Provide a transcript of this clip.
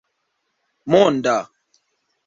monda